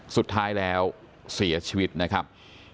สุดท้ายแล้วเสียชีวิตนะครับ